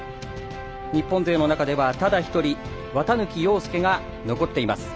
日本勢の中ではただ一人綿貫陽介が残っています。